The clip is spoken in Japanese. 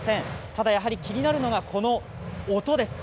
ただ、やはり気になるのがこの音です。